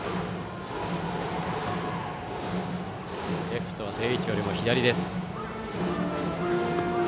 レフトは定位置よりも左です。